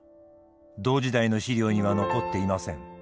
同時代の資料には残っていません。